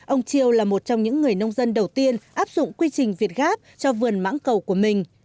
ông chiêu là một trong những người nông dân đầu tiên áp dụng quy trình việt gáp cho vườn mãng cầu của mình